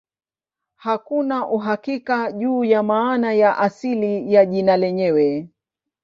Hakuna uhakika juu ya maana ya asili ya jina lenyewe.